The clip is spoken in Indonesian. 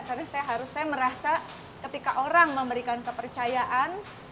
karena saya harus saya merasa ketika orang memberikan kepercayaan